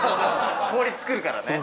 氷作るからね。